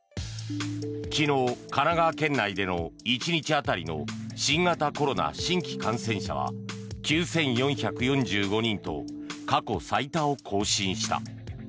昨日、神奈川県内での１日当たりの新型コロナ新規感染者は９４４５人と過去最多を更新した。